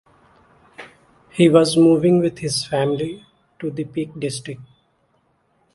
He was moving with his family to the Peak District.